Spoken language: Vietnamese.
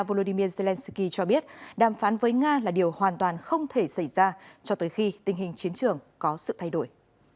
volodymyr zelensky cho biết đàm phán với nga là điều hoàn toàn không thể xảy ra cho tới khi tình hình chiến trường có sự thay đổi